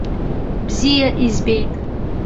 Бзиа избеит.